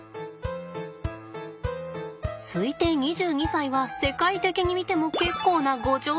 推定２２歳は世界的に見ても結構なご長寿。